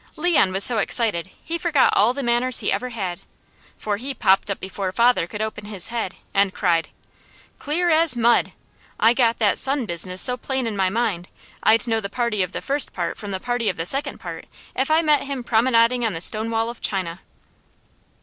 Leon was so excited he forgot all the manners he ever had, for he popped up before father could open his head, and cried: "Clear as mud! I got that son business so plain in my mind, I'd know the party of the first part, from the party of the second part, if I met him promenading on the Stone Wall of China!"